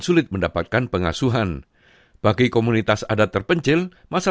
kami tidak akan bisa mencari penyelesaian